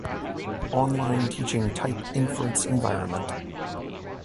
Online Teaching Type Inference Environment